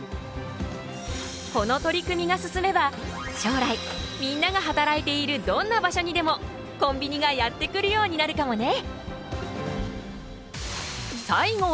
この取り組みが進めば将来みんなが働いているどんな場所にでもコンビニがやって来るようになるかもね。